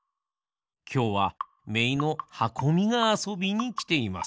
きょうはめいのはこみがあそびにきています。